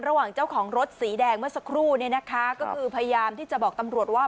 ระหว่างเจ้าของรถสีแดงเมื่อสักครู่เนี่ยนะคะก็คือพยายามที่จะบอกตำรวจว่า